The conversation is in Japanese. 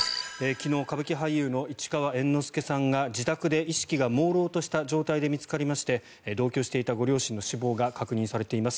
昨日歌舞伎俳優の市川猿之助さんが自宅で意識がもうろうとした状態で見つかりまして同居していたご両親の死亡が確認されています。